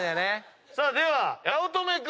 さあでは八乙女君。